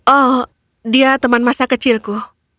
oh dia teman masa kecilku